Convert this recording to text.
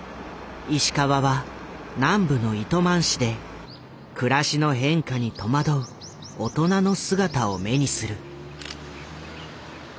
石川は南部の糸満市で暮らしの変化に戸惑う大人の姿を目にする。